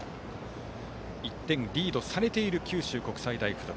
１点リードされている九州国際大付属。